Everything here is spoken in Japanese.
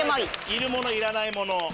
いるものいらないもの。